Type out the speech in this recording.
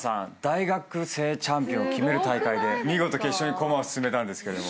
大学生チャンピオンを決める大会で見事決勝に駒を進めたんですけれども。